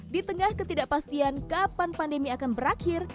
di tengah ketidakpastian kapan pandemi akan berakhir